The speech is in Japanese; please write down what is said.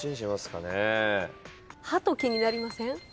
ハト気になりません？